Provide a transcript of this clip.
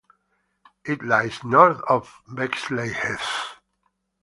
It lies north of Bexleyheath.